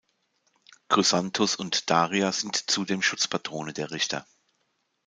Chrysanthus und Daria sind zudem Schutzpatrone der Richter.